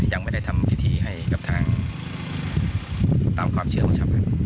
ยังไม่ได้ทำพิธีให้กับทางตามความเชื่อของชาวบ้าน